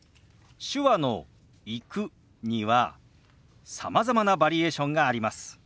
手話の「行く」にはさまざまなバリエーションがあります。